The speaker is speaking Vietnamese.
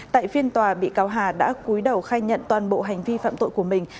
tại phiên tòa bị cáo hà đã cuối đầu khai nhận toàn bộ hành vi phạm tội của mình